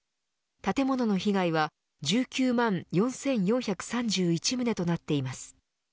建物の被害は１９万４４３１棟となっています。